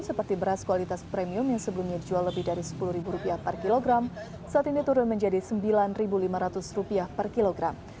seperti beras kualitas premium yang sebelumnya dijual lebih dari rp sepuluh per kilogram saat ini turun menjadi rp sembilan lima ratus per kilogram